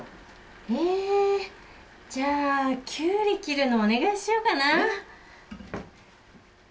えじゃあキュウリ切るのお願いしようかな。